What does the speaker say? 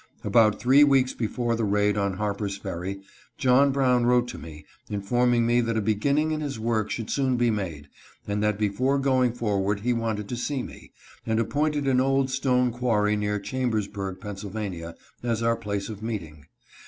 About three weeks before the raid on Harper's Ferry, John Brown wrote to me, informing me that a beginning in his work would soon be made, and that before going forward he waited to see me, and appointed an old stone quarry near Chambersburg, Penn., as our place of meeting.